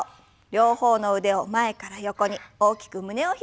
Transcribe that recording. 両方の腕を前から横に大きく胸を開きます。